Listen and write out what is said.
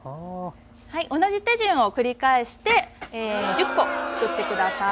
同じ手順を繰り返して１０コつくって下さい。